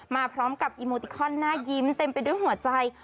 มาพร้อมกับอีโมติคอนหน้ายิ้มเต็มไปด้วยหัวใจ